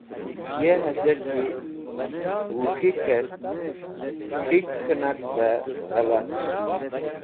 Ye hazirgi Whuk̃hikẽr “k̃hik” k̃hẽnak bẽ ghelat.